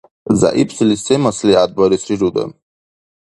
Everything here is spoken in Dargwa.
ЗягӀипсилис се маслигӀятбарес рируда?